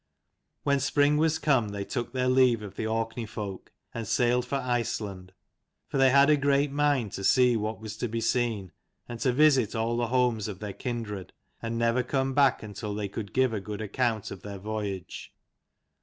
When spring was come they took their leave of the Orkney folk, and sailed for Iceland : for they had a great mind to see what was to be seen, and to visit all the homes of their kindred, and never come back until they could give a good account of their voyage.